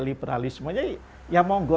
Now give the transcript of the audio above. liberalismenya ya monggo